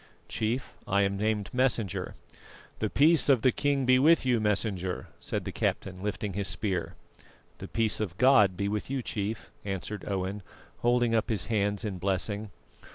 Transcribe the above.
"Chief, I am named Messenger." "The peace of the king be with you, Messenger," said the captain, lifting his spear. "The peace of God be with you, Chief," answered Owen, holding up his hands in blessing.